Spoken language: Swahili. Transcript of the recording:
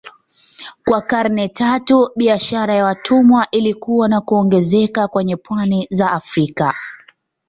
Kwa karne tatu biashara ya watumwa ilikua na kuongezeka kwenye pwani za Afrika.